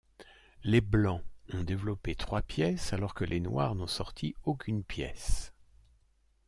Les Blancs ont développé trois pièces alors que les Noirs n'ont sorti aucune pièce.